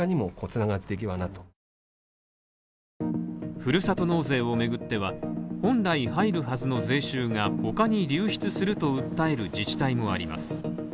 ふるさと納税をめぐっては、本来入るはずの税収がほかに流出すると訴える自治体もあります。